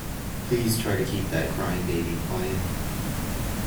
Please try to keep that crying baby quiet